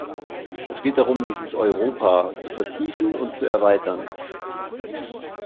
Es geht darum, dieses Europa zu vertiefen und zu erweitern.